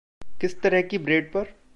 किस तरह की ब्रेड पर?